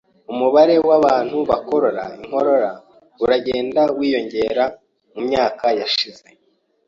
Umubare w'abantu bakorora inkorora uragenda wiyongera mu myaka yashize.